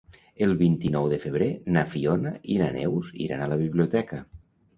El vint-i-nou de febrer na Fiona i na Neus iran a la biblioteca.